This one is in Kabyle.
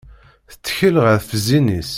Tettkel ɣef zzin-is.